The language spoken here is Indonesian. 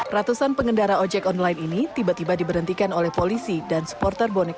ratusan pengendara ojek online ini tiba tiba diberhentikan oleh polisi dan supporter bonek